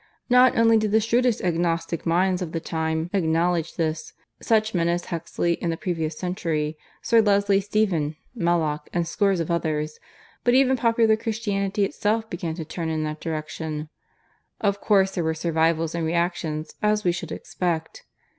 Not only did the shrewdest agnostic minds of the time acknowledge this such men as Huxley in the previous century, Sir Leslie Stephen, Mallock, and scores of others but even popular Christianity itself began to turn in that direction. Of course there were survivals and reactions, as we should expect.